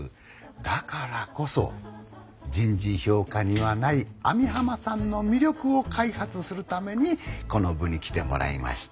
だからこそ人事評価にはない網浜さんの魅力を開発するためにこの部に来てもらいました。